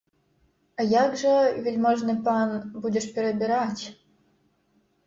А як жа, вяльможны пан, будзеш перабіраць?